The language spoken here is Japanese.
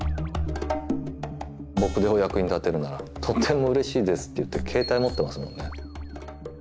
僕でお役に立てるならとっても嬉しいですって言って携帯持ってますもんね。